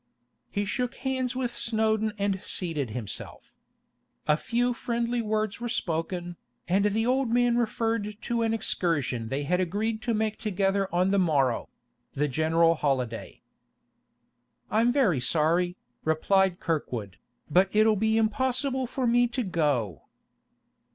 He shook hands with Snowdon and seated himself. A few friendly words were spoken, and the old man referred to an excursion they had agreed to make together on the morrow, the general holiday. 'I'm very sorry,' replied Kirkwood, 'but it'll be impossible for me to go.